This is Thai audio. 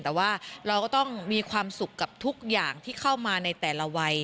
แต่ว่าเราก็ต้องมีความสุขกับทุกอย่างที่เข้ามาในแต่ละวัย